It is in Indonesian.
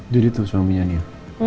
jadi itu suaminya nia